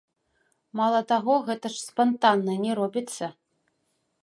Мала таго, гэта ж спантанна не робіцца.